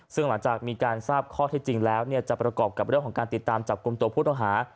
ซึ่งหลังจากมีการทราบข้อที่จริงแล้วจะประกอบกับเรื่องของการติดตามจับกลุ่มตัวผู้ต้องหา